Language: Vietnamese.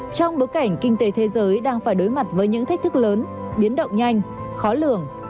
trong bối cảnh kinh tế thế giới đang phải đối mặt với những thách thức lớn biến động nhanh khó lường